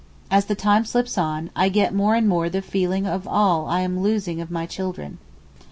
As the time slips on I get more and more the feeling of all I am losing of my children.